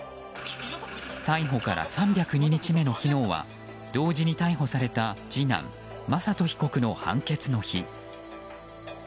逮捕から３０２日目の昨日は同時に逮捕された次男・雅人被告の判決の日。